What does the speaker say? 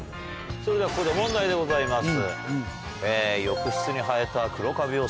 それではここで問題でございます。